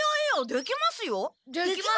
できます！